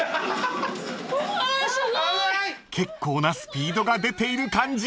［結構なスピードが出ている感じ］